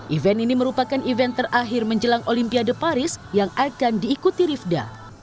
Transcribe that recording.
event ini merupakan event terakhir menjelang olimpiade paris yang akan diikuti rifda